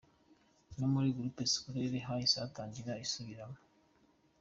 No muri Groupe scolaire hahise hatangira isubiranamo.